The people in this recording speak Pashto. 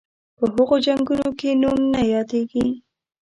په هغو جنګونو کې نوم نه یادیږي.